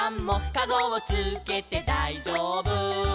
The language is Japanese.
「かごをつけてだいじょうぶ」